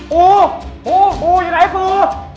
ปูปูปูอยู่ไหนปู